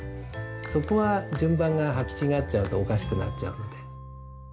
そこは順番が履き違っちゃうとおかしくなっちゃうんで。